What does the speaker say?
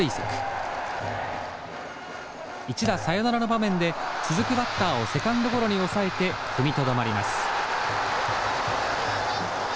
一打サヨナラの場面で続くバッターをセカンドゴロに抑えて踏みとどまります。